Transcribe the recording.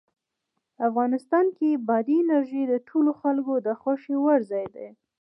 افغانستان کې بادي انرژي د ټولو خلکو د خوښې وړ ځای دی.